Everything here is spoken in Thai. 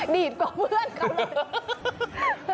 ดีกว่าเพื่อนเขาเลย